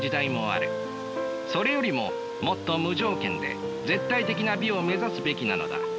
それよりももっと無条件で絶対的な美を目指すべきなのだ。